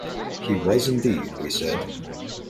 He was indeed, we said.